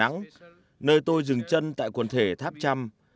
ở đà nẵng nơi tôi dừng chân tại quần thể tháp trăm